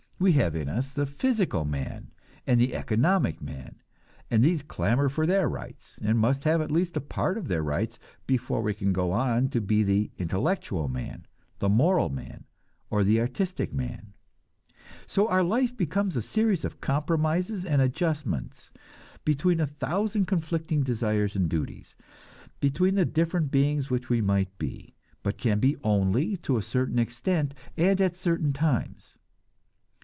We have in us the physical man and the economic man, and these clamor for their rights, and must have at least a part of their rights, before we can go on to be the intellectual man, the moral man, or the artistic man. So our life becomes a series of compromises and adjustments between a thousand conflicting desires and duties; between the different beings which we might be, but can be only to a certain extent, and at certain times.